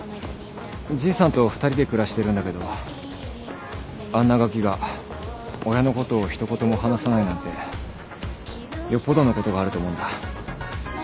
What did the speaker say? じいさんと２人で暮らしてるんだけどあんなガキが親のことを一言も話さないなんてよっぽどのことがあると思うんだ。